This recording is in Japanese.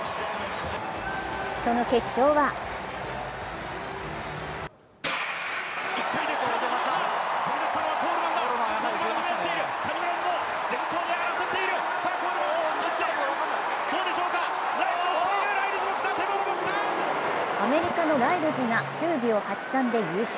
その決勝はアメリカのライルズが９秒８３で優勝。